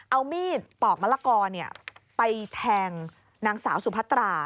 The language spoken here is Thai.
เอามีดปอกมะละกอไปแทงนางสาวสุพัตรา